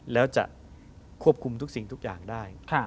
แล้วจะควบคุมทุกสิ่งทุกอย่างได้